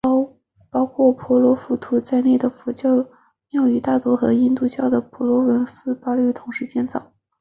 包括婆罗浮屠在内的佛教庙宇大约和印度教的湿婆神庙普兰巴南同时建造。